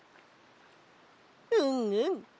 うんうん。